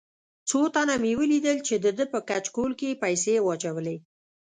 څو تنه مې ولیدل چې دده په کچکول کې یې پیسې واچولې.